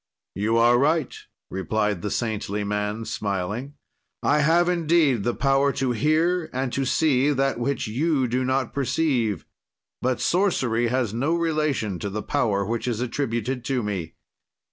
"'You are right,' replied the saintly man, smiling: "'I have indeed the power to hear and to see that which you do not perceive; but sorcery has no relation to the power which is attributed to me.